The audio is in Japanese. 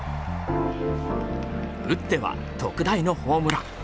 打っては特大のホームラン。